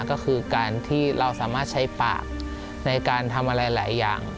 ก็คือการที่เราสามารถใช้ปากในการทำอะไรหลายอย่าง